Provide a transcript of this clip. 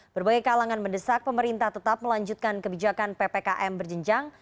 berbagai kalangan mendesak pemerintah tetap melanjutkan kebijakan ppkm berjenjang